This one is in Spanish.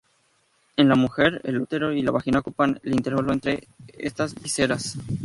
En la mujer, el útero y la vagina ocupan el intervalo entre estas vísceras.